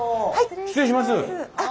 失礼します。